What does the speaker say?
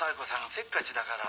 せっかちだから。